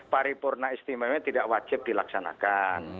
paripurna istimewanya tidak wajib dilaksanakan